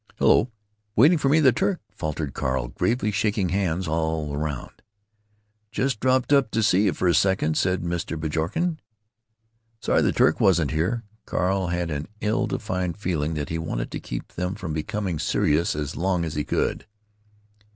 "Hello! Waiting for me or the Turk?" faltered Carl, gravely shaking hands all round. "Just dropped up to see you for a second," said Mr. Bjorken. "Sorry the Turk wasn't here." Carl had an ill defined feeling that he wanted to keep them from becoming serious as long as he could.